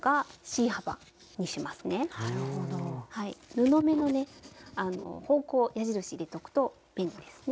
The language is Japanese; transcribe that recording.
布目のね方向を矢印入れておくと便利ですね。